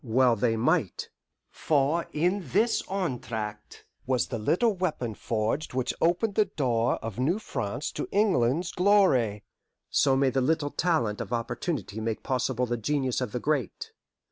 Well they might, for in this entr'acte was the little weapon forged which opened the door of New France to England's glory. So may the little talent or opportunity make possible the genius of the great.